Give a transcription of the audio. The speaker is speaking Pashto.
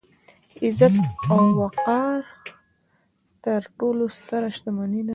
عزت او وقار تر ټولو ستره شتمني ده.